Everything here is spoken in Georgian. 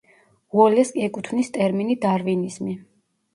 უოლეს ეკუთვნის ტერმინი „დარვინიზმი“.